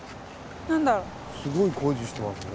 すごい工事してますね